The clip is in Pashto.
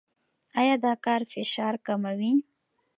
ایا دا کار فشار کموي؟